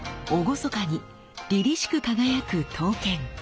厳かにりりしく輝く刀剣。